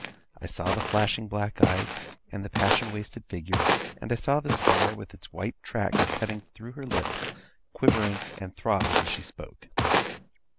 I saw the flashing black eyes, and the passion wasted figure; and I saw the scar, with its white track cutting through her lips, quivering and throbbing as she spoke.